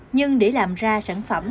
nhưng để làm ra sản phẩm